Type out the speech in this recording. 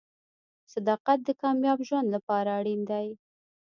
• صداقت د کامیاب ژوند لپاره اړین دی.